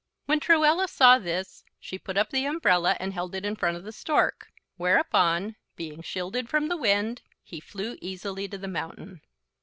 When Truella saw this she put up the umbrella and held it in front of the Stork; whereupon, being shielded from the wind, he flew easily to the mountain.